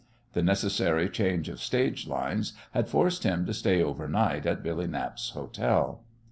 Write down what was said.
The necessary change of stage lines had forced him to stay over night at Billy Knapp's hotel.